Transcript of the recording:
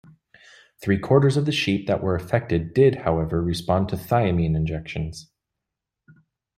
Three-quarters of the sheep that were affected did however respond to thiamine injections.